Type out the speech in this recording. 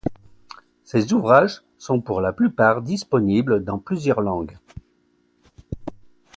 Ces ouvrages sont pour la plupart disponibles dans plusieurs langues.